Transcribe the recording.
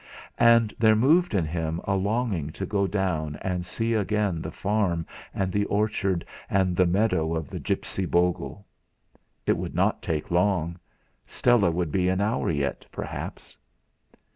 And there moved in him a longing to go down and see again the farm and the orchard, and the meadow of the gipsy bogle. It would not take long; Stella would be an hour yet, perhaps.